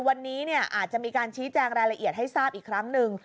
วันนี้อาจจะมีการชี้แจงรายละเอียดให้ทราบอีกครั้งหนึ่ง